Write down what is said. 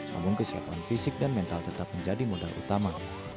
namun kesiapan fisik dan mental tetap menjadi modal utama